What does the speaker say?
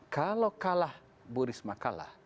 kalau kalah bu risma kalah